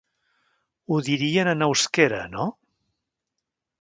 Ho dirien en euskera, no?